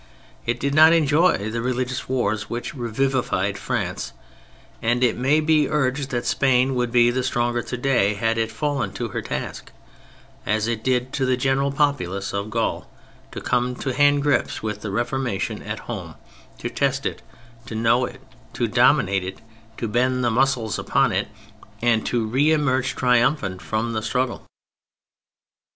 It did not enjoy the religious wars which revivified France, and it may be urged that Spain would be the stronger today had it fallen to her task, as it did to the general populace of Gaul, to come to hand grips with the Reformation at home, to test it, to know it, to dominate it, to bend the muscles upon it, and to reemerge triumphant from the struggle.